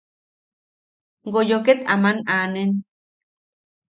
Goyo ket aman aanen.